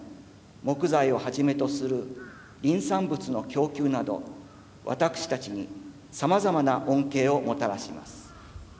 木材を始めとする林産物の供給など私たちに様々な恩恵をもたらします。